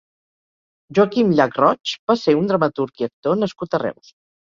Joaquim Llach Roig va ser un dramaturg i actor nascut a Reus.